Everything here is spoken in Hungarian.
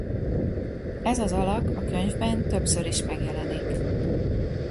Ez az alak a könyvben többször is megjelenik.